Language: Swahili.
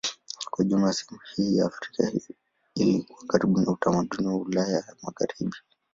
Kwa jumla sehemu hii ya Afrika ilikuwa karibu na utamaduni wa Ulaya ya Magharibi.